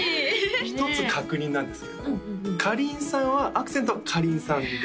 １つ確認なんですけれどもかりんさんはアクセントは「かりんさん」で？